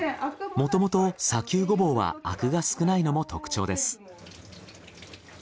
もともと砂丘ゴボウはアクが少ないのも特徴です。